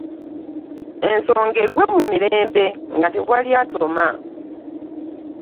Ensonga eggwe mu mirembe nga teri atoma.